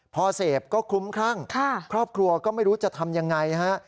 พอเสพก็คลุ้มคลั่งครอบครัวก็ไม่รู้จะทำยังไงฮะ